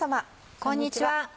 こんにちは。